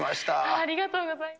ありがとうございます。